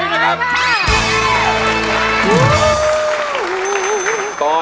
โอ้โอ้โอ้โอ้